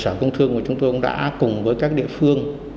sở công thương của chúng tôi cũng đã cùng với các địa phương